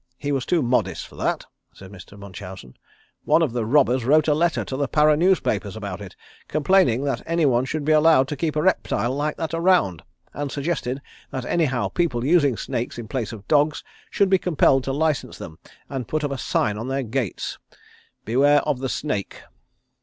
He was too modest for that," said Mr. Munchausen. "One of the robbers wrote a letter to the Para newspapers about it, complaining that any one should be allowed to keep a reptile like that around, and suggested that anyhow people using snakes in place of dogs should be compelled to license them, and put up a sign at their gates: BEWARE OF THE SNAKE!